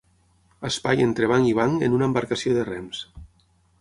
Espai entre banc i banc en una embarcació de rems.